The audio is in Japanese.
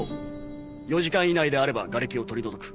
４時間以内であればがれきを取り除く。